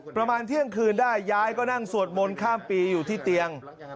ประมาณเที่ยงคืนได้ยายก็นั่งสวดมนต์ข้ามปีอยู่ที่เตียง